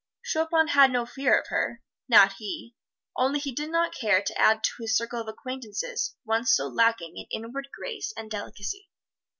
Chopin had no fear of her not he only he did not care to add to his circle of acquaintances one so lacking in inward grace and delicacy.